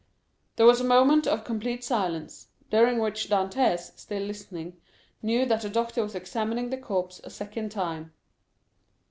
There was a moment of complete silence, during which Dantès, still listening, knew that the doctor was examining the corpse a second time.